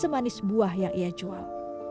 dan juga untuk memperoleh buah buah yang ia jual